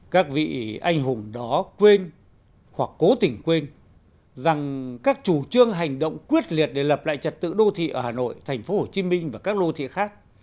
các vị anh hùng đó quên hoặc cố tình quên rằng các chủ trương hành động quyết liệt để lập lại trật tự đô thị ở hà nội tp hcm và các đô thị khác